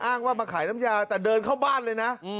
ว่ามาขายน้ำยาแต่เดินเข้าบ้านเลยนะ